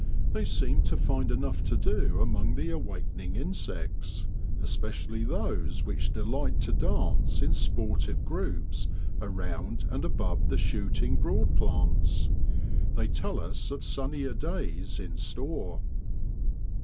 They seem to find enough to do among the awakening insects, especially those which delight to dance in sportive groups around and above the shooting broad plants. They tell us of sunnier days in store.